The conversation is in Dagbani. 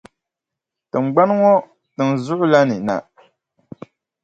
Tiŋgbani ŋɔ tiŋʼ zuɣu la ni na.